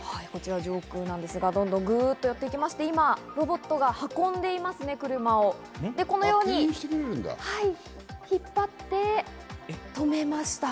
こちら上空なんですが、ぐっと寄って行きまして、今ロボットが運んでいますね、車をこのように引っ張って止めました。